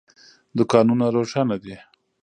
دوکانونه روښانه دي.